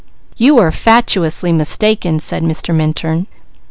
"You are fatuously mistaken!" said Mr. Minturn.